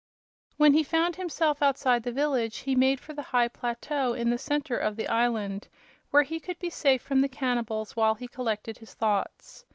When he found himself outside the village he made for the high plateau in the center of the island, where he could be safe from the cannibals while he collected his thoughts.